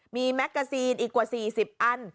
มีแมกกาซีนอีกกว่า๔๐อัน